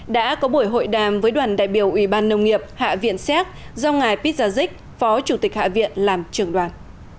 đã có buổi hội đàm với đoàn đại biểu ủy ban nông nghiệp hạ viện xét do ngài pít gia dích phó chủ tịch hạ viện làm trường đoàn